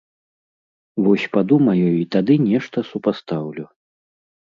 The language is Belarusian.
Вось падумаю і тады нешта супастаўлю.